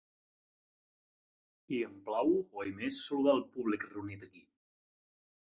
I em plau oimés saludar el públic reunit aquí.